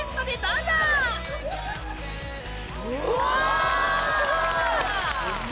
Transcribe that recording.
うわ！